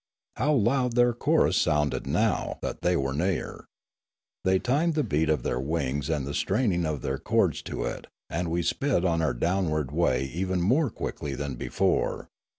How loud their chorus sounded now that they were near ! They timed the beat of their wings and the straining of their cords to it, and we sped on our downward way even more quickly than before.